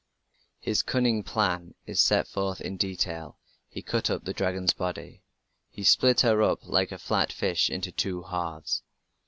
His "cunning plan" is set forth in detail: he cut up the dragon's body: He split her up like a flat fish into two halves.